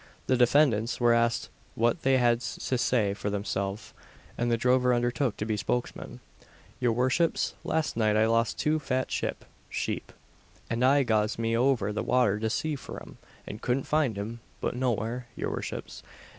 The defendants were asked what they had to say for themselves, and the drover undertook to be spokesman: "Your worships, last night I lost two fat ship (sheep), and I goz me over the water to see for 'em, and couldn't find 'em, not nowhere, your worships.